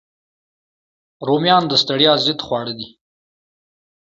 رومیان د ستړیا ضد خواړه دي